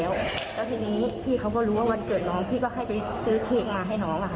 แล้วทีนี้พี่เขาก็รู้ว่าวันเกิดน้องพี่ก็ให้ไปซื้อเค้กมาให้น้องอะค่ะ